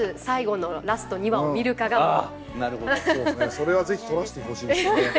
それは是非撮らしてほしいですね。